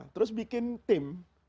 terus bikin tim